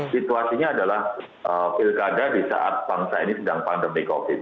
situasinya adalah pilkada di saat bangsa ini sedang pandemi covid